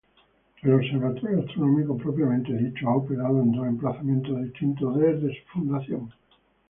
El observatorio astronómico propiamente dicho ha operado en dos emplazamientos distintos desde su fundación.